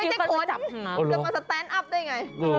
ไม่ใช่หานับหางถึงมาสแตนป์อัพได้ไง